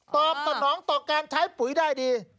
ตอบต่อหนองต่อแกงใช้ปุ๋ยได้ดี